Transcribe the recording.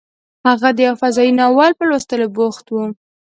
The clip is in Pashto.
هغه د یو فضايي ناول په لوستلو بوخت و